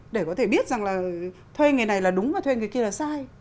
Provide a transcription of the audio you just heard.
để có thể biết rằng là thuê nghề này là đúng và thuê nghề kia là sai